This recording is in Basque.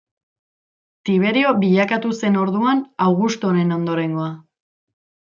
Tiberio bilakatu zen orduan Augustoren ondorengoa.